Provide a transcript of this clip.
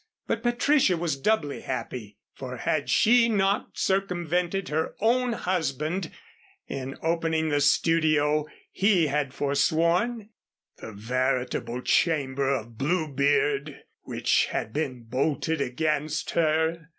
But Patricia was doubly happy; for had she not circumvented her own husband in opening the studio he had forsworn, the veritable chamber of Bluebeard which had been bolted against her?